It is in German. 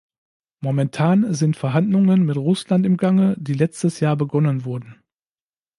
Momentan sind Verhandlungen mit Russland im Gange, die letztes Jahr begonnen wurden.